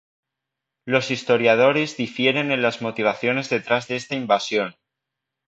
Los historiadores difieren en las motivaciones detrás de esta invasión.